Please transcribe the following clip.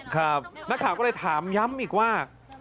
นักข่าวก็เลยถามย้ำอีกว่า